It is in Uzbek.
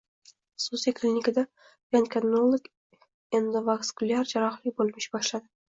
Xususiy klinikada rentgenologik endovaskulyar jarrohlik bo‘limi ish boshlading